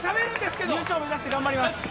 今日は優勝目指して頑張ります。